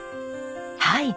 はい。